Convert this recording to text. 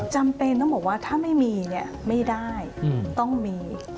จำเป็นต้องบอกว่าถ้าไม่มีเนี่ยไม่ได้ต้องมี